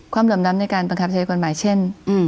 เหลื่อมล้ำในการบังคับใช้กฎหมายเช่น